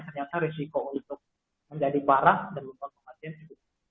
ternyata risiko untuk menjadi parah dan beban kematian cukup tinggi